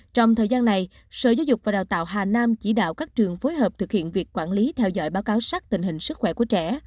trong thời gian này sở giáo dục và đào tạo hà nam chỉ đạo các trường phối hợp thực hiện việc quản lý theo dõi báo cáo sát tình hình sức khỏe của trẻ